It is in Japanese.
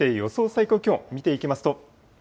最高気温見ていきます